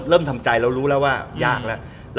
เริ่มทำใจเรารู้แล้วว่ายากแล้ว